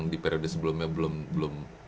di periode sebelumnya belum